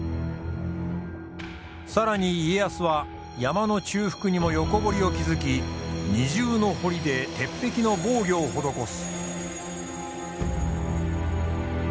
更に家康は山の中腹にも横堀を築き２重の堀で鉄壁の防御を施す。